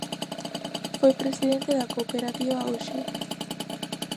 Foi presidente da Cooperativa Hoxe.